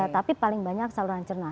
tapi paling banyak saluran cerna